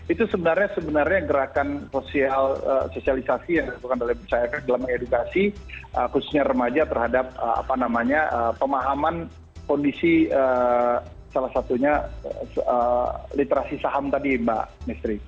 itu sebenarnya gerakan sosialisasi yang dilakukan oleh masyarakat dalam mengedukasi khususnya remaja terhadap pemahaman kondisi salah satunya literasi saham tadi mbak mistri